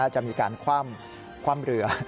จะมีการคว่ำเรือ